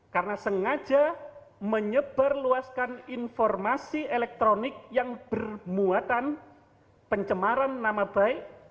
karena sengaja menyeberluaskan informasi elektronik yang bermuatan pencemaran nama baik